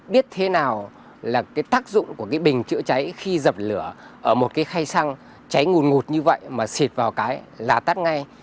biết thế nào là cái tác dụng của cái bình chữa cháy khi dập lửa ở một cái khay xăng cháy ngùn ngụt như vậy mà xịt vào cái là tắt ngay